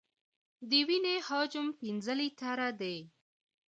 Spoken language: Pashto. د وینې حجم پنځه لیټره دی.